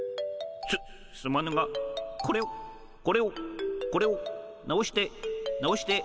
すすまぬがこれをこれをこれを直して直して。